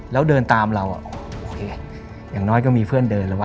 แล้วเดินตามเราโอเคอย่างน้อยก็มีเพื่อนเดินแล้ววะ